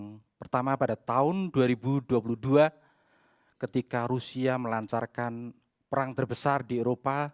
yang pertama pada tahun dua ribu dua puluh dua ketika rusia melancarkan perang terbesar di eropa